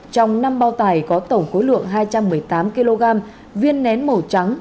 trong năm bao tải có tổng khối lượng hai trăm một mươi tám kg viên nén màu trắng